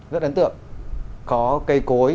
rất ấn tượng có cây cối